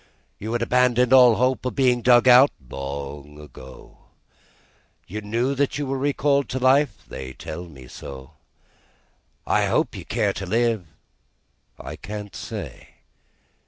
"You had abandoned all hope of being dug out?" "Long ago." "You know that you are recalled to life?" "They tell me so." "I hope you care to live?" "I can't say."